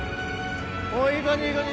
おぉいい感じいい感じ。